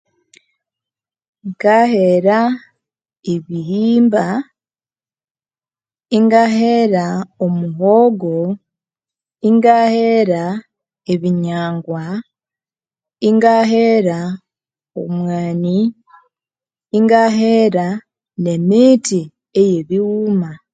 Ngahera ebihimba inga hera omuhogo inga hera ebinyangwa inga hera omwani inga hera ne mithi eyebighuma